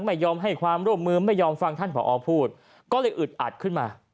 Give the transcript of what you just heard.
ไม่ยอมให้ความร่วมมือไม่ยอมฟังท่านผอพูดก็เลยอึดอัดขึ้นมา